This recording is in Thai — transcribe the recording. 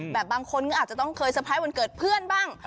บางคนก็อาจจะต้องเคยเตอร์ไพรส์วันเกิดเพื่อนบ้าง